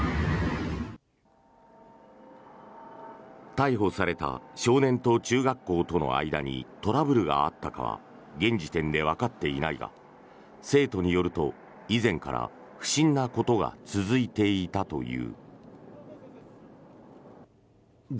逮捕された少年と中学校との間にトラブルがあったかは現時点でわかっていないが生徒によると以前から不審なことが続いていたという。